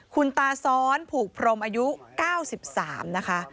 คุณตาซ้อนผูกพรมอายุ๙๓นะคะ